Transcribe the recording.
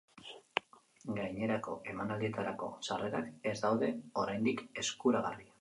Gainerako emanaldietarako sarrerak ez daud eoraindik eskuragarri.